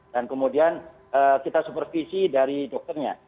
dan kemudian kita supervisi dari dokternya